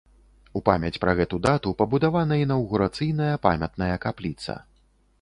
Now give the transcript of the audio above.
У памяць пра гэту дату пабудавана інаўгурацыйная памятная капліца.